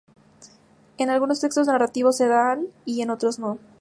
En algunos textos narrativos se dan y en otros no.